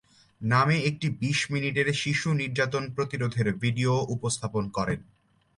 নামে একটি বিশ মিনিটের শিশু নির্যাতন প্রতিরোধের ভিডিও উপস্থাপন করেন।